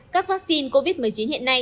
các vaccine covid một mươi chín hiện nay